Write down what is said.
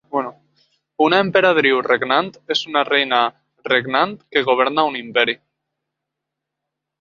Una emperadriu regnant és una reina regnant que governa un imperi.